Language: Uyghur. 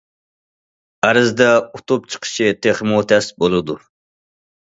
ئەرزدە ئۇتۇپ چىقىشى تېخىمۇ تەس بولىدۇ.